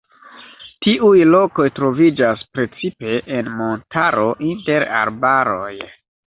Tiuj lokoj troviĝas precipe en montaro inter arbaroj.